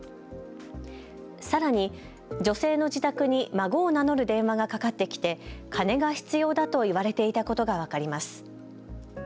さらに、女性の自宅に孫を名乗る電話がかかってきて金が必要だと言われていたことが分かります。